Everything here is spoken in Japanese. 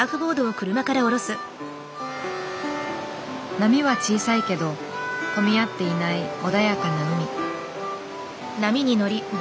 波は小さいけど混み合っていない穏やかな海。